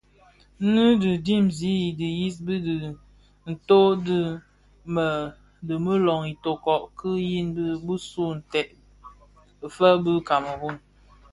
Nnë dhi dimzi di dhiyis di dhi nto u dhid bi dimuloň Itoko ki yin bisuu ntsem fè bi kameroun,